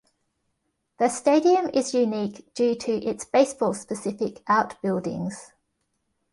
The stadium is unique due to its baseball specific outbuildings.